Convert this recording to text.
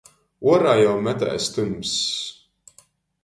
Uorā jau metēs tymss.